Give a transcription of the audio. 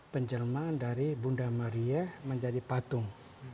penjelman dari bunda maria menjadi patung